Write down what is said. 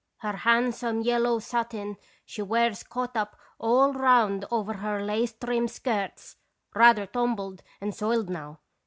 "Her handsome yellow satin she wears caught up all round over her lace trimmed skirts, rather tumbled and soiled now.